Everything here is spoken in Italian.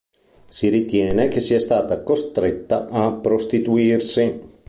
Si ritiene che sia stata costretta a prostituirsi.